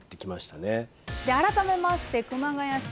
改めまして熊谷市